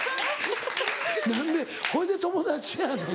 何でほいで友達やねん？